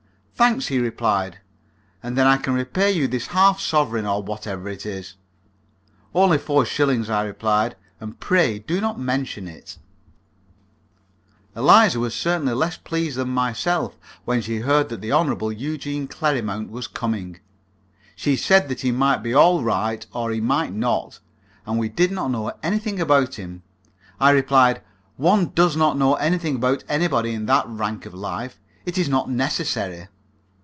"Thanks," he replied, "and then I can repay you this half sovereign, or whatever it is." "Only four shillings," I replied, "and pray do not mention it." [Illustration: The Gentleman of Title.] Eliza was certainly less pleased than myself when she heard that the Hon. Eugene Clerrimount was coming. She said that he might be all right, or he might not, and we did not know anything about him. I replied: "One does not know anything about anybody in that rank of life. It is not necessary."